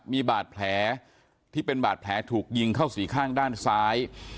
มีบาดแผลที่เป็นบาดแผลถูกยิงเข้าสี่ข้างด้านซ้าย